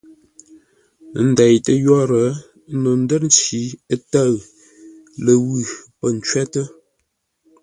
Ə́ ndeitə́ yórə́, no ndə́r nci tə̂ʉ, ləwʉ̂ pə̂ ncwótə́.